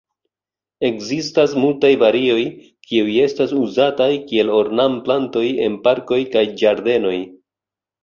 Ekzistas multaj varioj, kiuj estas uzataj kiel ornamplantoj en parkoj kaj ĝardenoj.